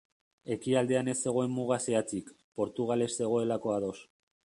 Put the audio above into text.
Ekialdean ez zegoen muga zehatzik, Portugal ez zegoelako ados.